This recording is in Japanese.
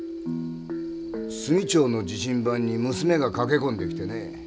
炭町の自身番に娘が駆け込んできてね。